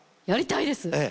やりたいです！